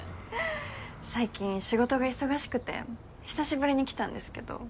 最近仕事が忙しくて久しぶりに来たんですけど。